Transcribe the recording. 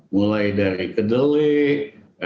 mulai dari kedelik